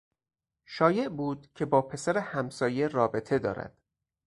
شایع بود که با پسر همسایه رابطه دارد.